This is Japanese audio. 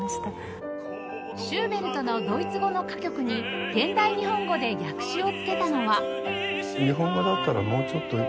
シューベルトのドイツ語の歌曲に現代日本語で訳詞をつけたのは